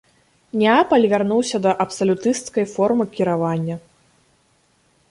Неапаль вярнуўся да абсалютысцкай формы кіравання.